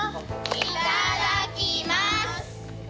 いただきます。